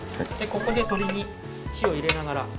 ここで鶏に火を入れながら。